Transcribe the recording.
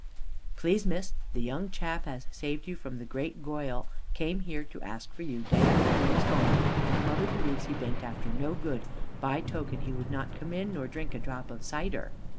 Please Miss, the young chap as saved you from the great goyal come here to ask for you, day after you was gone, and mother believes he baint after no good, by token he would not come in nor drink a drop of cider.